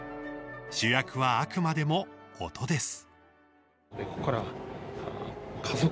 主役はあくまでも、音です。